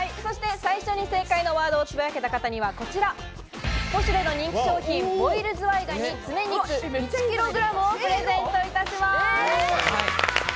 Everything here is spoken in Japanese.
最初に正解のワードをつぶやけた方にはこちら、ポシュレの人気商品ボイルズワイガニ爪肉１ｋｇをプレゼントいたします。